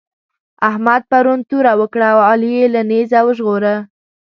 احمد پرون توره وکړه او علي يې له نېزه وژغوره.